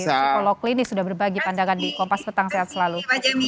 psikolog klinis sudah berbagi pandangan di kompas petang sehat selalu